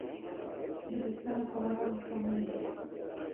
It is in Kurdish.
Dibistan û kolanan dixemilînin.